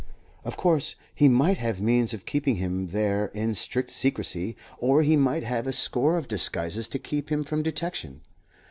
Of course he might have means of keeping him there in strict secrecy, or he might have a score of disguises to keep him from detection.